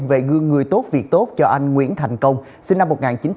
về gương người tốt việc tốt cho anh nguyễn thành công sinh năm một nghìn chín trăm tám mươi